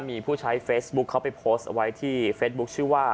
มีผู้ใช้เฟซบุ๊คเขาไปโพสต์ไว้ที่เฟซบุ๊คชื่อว่า